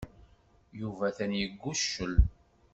Yuba atan yegguccel.